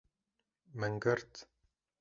Min girt